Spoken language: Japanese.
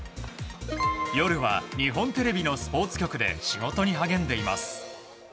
夜は日本テレビのスポーツ局で仕事に励んでいます。